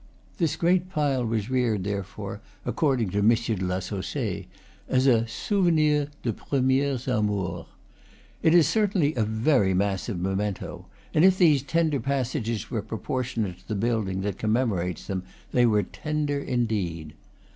This great pile was reared, therefore, according to M. de la Saussaye, as a souvenir de premieres amours! It is certainly a very massive memento; and if these tender passages were propor tionate to the building that commemorates them, they were tender indeed.